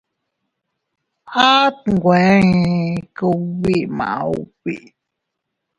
At nwe ee kugbi maubi.